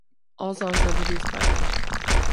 All songs are produced by Ant.